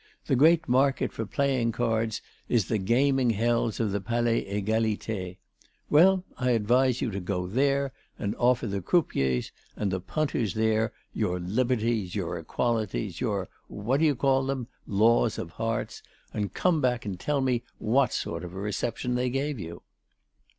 The great market for playing cards is the gaming hells of the Palais Égalité; well, I advise you to go there and offer the croupiers and punters there your Liberties, your Equalities, your ... what d'ye call 'em?... Laws of hearts ... and come back and tell me what sort of a reception they gave you!"